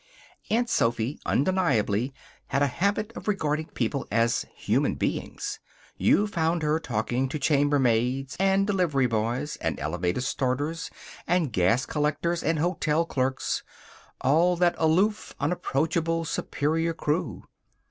Aunt Sophy undeniably had a habit of regarding people as human beings. You found her talking to chambermaids and delivery boys, and elevator starters, and gas collectors, and hotel clerks all that aloof, unapproachable, superior crew.